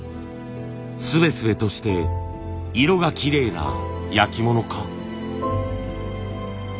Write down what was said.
すべすべとして色がきれいな焼き物か？